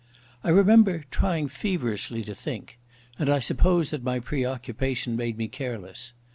I remember trying feverishly to think, and I suppose that my preoccupation made me careless.